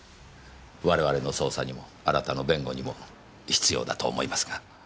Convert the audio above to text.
我々の捜査にもあなたの弁護にも必要だと思いますが。